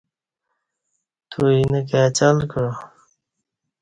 تو اینہ کای چل کعا